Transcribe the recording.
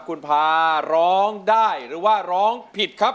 คุณพาร้องได้หรือว่าร้องผิดครับ